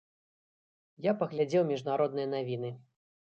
Я паглядзеў міжнародныя навіны.